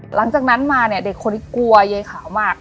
หลังจากนั้นมาเนี่ยเด็กคนนี้กลัวยายขาวมาก